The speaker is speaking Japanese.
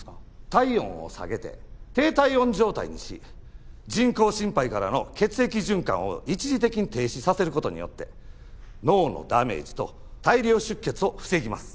体温を下げて低体温状態にし人工心肺からの血液循環を一時的に停止させる事によって脳のダメージと大量出血を防ぎます。